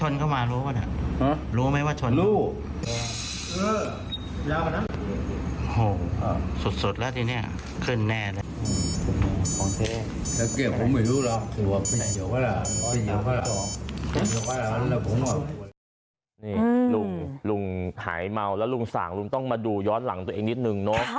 นี่ลุงหายเมาแล้วลุงสั่งลุงต้องมาดูย้อนหลังตัวเองนิดนึงเนอะ